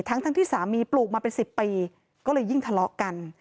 ทั้งที่สามีปลูกมาเป็น๑๐ปีก็เลยยิ่งทะเลาะกัน